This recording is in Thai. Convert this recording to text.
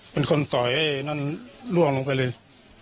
เป็นคนต่อยล่วงลงไปเลย